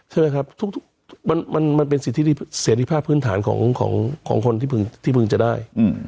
ใช่ไหมครับทุกมันเป็นสิทธิเสรีภาพพื้นฐานของคนที่เพิ่งจะได้